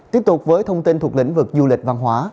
tiếp tục với thông tin thuộc lĩnh vực du lịch văn hóa